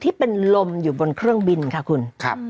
ที่เป็นลมอยู่บนเครื่องบินค่ะคุณ